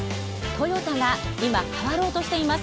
トヨタが今変わろうとしています。